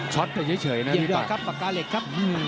ช็อตไปเฉยนะดีกว่า